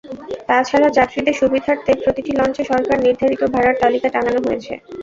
তা ছাড়া যাত্রীদের সুবিধার্থে প্রতিটি লঞ্চে সরকার নির্ধারিত ভাড়ার তালিকা টাঙানো হয়েছে।